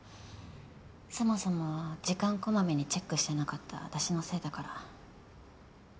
そもそもは時間こまめにチェックしてなかった私のせいだから。